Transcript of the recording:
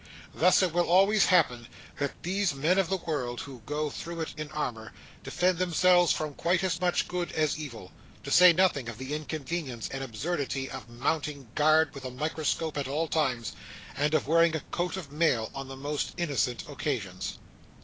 Thus, it will always happen that these men of the world, who go through it in armour, defend themselves from quite as much good as evil; to say nothing of the inconvenience and absurdity of mounting guard with a microscope at all times, and of wearing a coat of mail on the most innocent occasions.